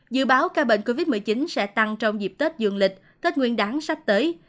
dự báo ca bệnh covid một mươi chín sẽ tăng trong dịp tết dương lịch tết nguyên đáng sắp tới